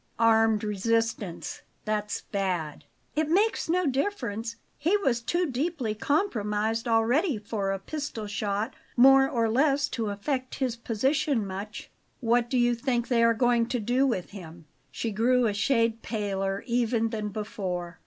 "Armed resistance; that's bad!" "It makes no difference; he was too deeply compromised already for a pistol shot more or less to affect his position much." "What do you think they are going to do with him?" She grew a shade paler even than before.